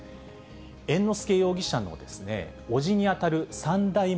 猿之助容疑者の伯父に当たる三代目